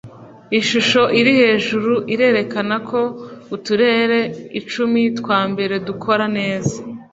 Ishusho iri hejuru irerekana ko uturere icumi twa mbere dukora neza